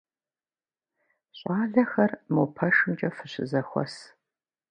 Щӏалэхэр мо пэшымкӏэ фыщызэхуэс.